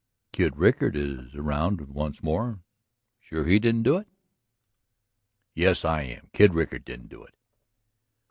"Kid Rickard is around once more; sure he didn't do it?" "Yes, I am. Kid Rickard didn't do it."